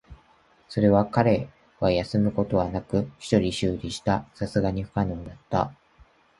それを彼は休むことなく一人修理した。流石に不可解だった。